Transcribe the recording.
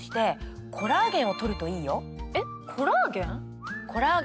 えっコラーゲン？